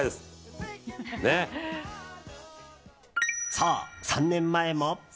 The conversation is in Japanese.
そう、３年前も。